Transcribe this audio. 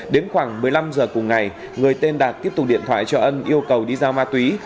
đến khoảng một mươi năm h cùng ngày người tên đạt tiếp tục điện thoại cho ân yêu cầu đi giao ma túy